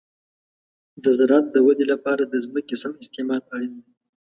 د زراعت د ودې لپاره د ځمکې سم استعمال اړین دی.